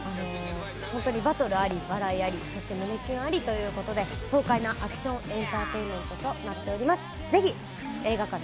本当にバトルあり、笑いありそして胸キュンありということで爽快なアクションエンターテインメントとなっております。